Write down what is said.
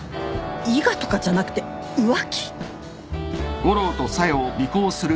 伊賀とかじゃなくて浮気！？